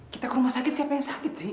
kita ke rumah sakit siapa yang sakit sih